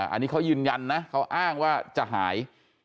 อันนี้เขายืนยันนะเขาอ้างว่าจะหาย